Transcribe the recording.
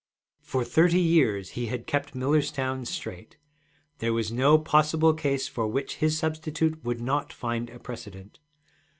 For thirty years he had kept Millerstown straight; there was no possible case for which his substitute would not find a precedent.